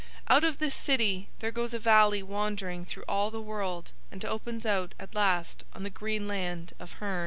Out of this city there goes a valley wandering through all the world and opens out at last on the green land of Hurn.